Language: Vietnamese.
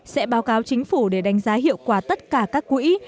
sẽ báo cáo chính phủ để đánh giá hiệu quả tất cả các quỹ